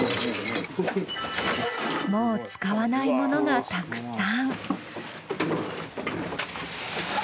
もう使わないものがたくさん。